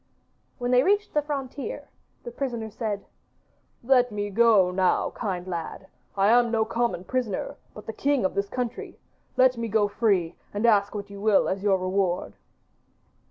When they reached the frontier the prisoner said: 'Let me go now, kind lad; I am no common prisoner, but the king of this country. Let me go free and ask what you will as your reward.